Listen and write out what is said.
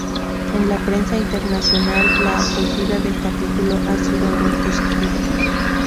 En la prensa internacional la acogida del capítulo ha sido muy positiva.